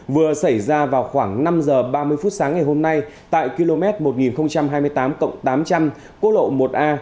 vừa xảy ra vào khoảng năm h ba mươi phút sáng ngày hôm nay tại km một nghìn hai mươi tám tám trăm linh quốc lộ một a